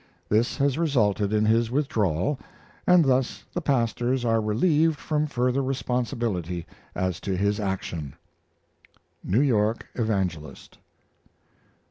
This has resulted in his withdrawal, and thus the pastors are relieved from further responsibility as to his action." N. Y. Evangelist.